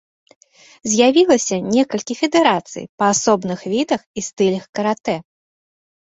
З'явілася некалькі федэрацый па асобных відах і стылях каратэ.